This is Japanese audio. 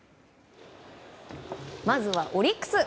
まずはオリックス。